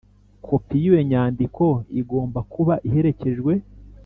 Kopi y iyo nyandiko igomba kuba iherekejwe